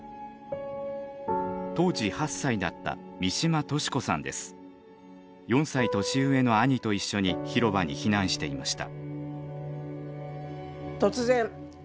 当時８歳だった４歳年上の兄と一緒に広場に避難していました。